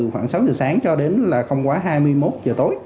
khoảng sáu giờ sáng cho đến là không quá hai mươi một giờ tối